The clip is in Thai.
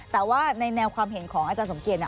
แต่ว่าในแนวความเห็นของอาจารย์สมเกียจ